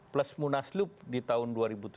plus munas loop di tahun